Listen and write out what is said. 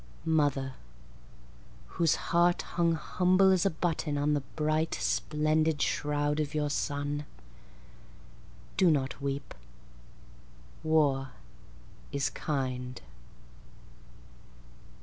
Mother whose heart hung humble as a button On the bright splendid shroud of your son, Do not weep. War is kind.